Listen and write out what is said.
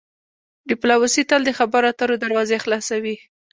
ډیپلوماسي تل د خبرو اترو دروازې خلاصوي.